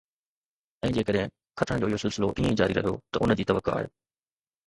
۽ جيڪڏهن کٽڻ جو اهو سلسلو ائين ئي جاري رهيو ته ان جي توقع آهي